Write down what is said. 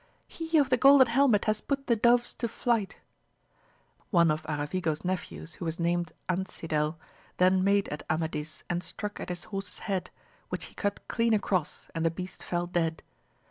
He of the golden helmet has put the doves to flight ! One of Aravigo*s nephews, who was named Ancidel, then made at Amadis and struck at his horse's head, which he cut clean across, and the beast fell dead.